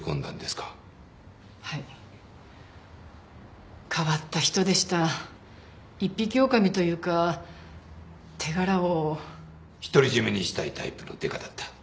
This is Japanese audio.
はい変わった人でした一匹狼というか手柄を独り占めにしたいタイプのデカだった